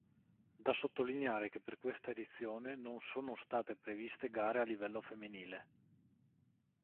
Da sottolineare che per questa edizione non sono state previste gare a livello femminile.